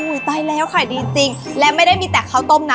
ตายแล้วขายดีจริงและไม่ได้มีแต่ข้าวต้มนะ